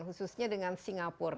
khususnya dengan singapura